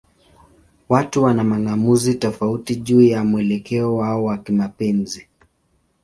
Watu wana mang'amuzi tofauti juu ya mwelekeo wao wa kimapenzi.